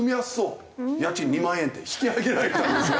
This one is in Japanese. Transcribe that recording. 「家賃２万円」って引き上げられたんですよ。